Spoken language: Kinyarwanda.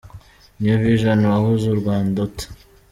New Vision: Wahunze u Rwanda ute?